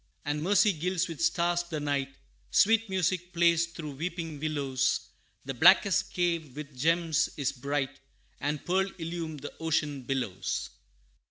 And mercy gilds with stars the night; Sweet music plays through weeping willows; The blackest cave with gems is bright, And pearls illume the ocean billows.